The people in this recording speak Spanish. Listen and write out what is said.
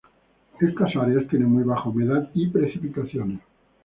Estas áreas tienen muy baja humedad y precipitaciones.